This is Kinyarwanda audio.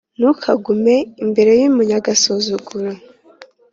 Ntukagume imbere y’umunyagasuzuguro,